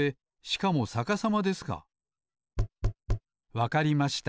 わかりました。